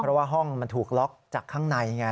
เพราะว่าห้องมันถูกล็อกจากข้างในไง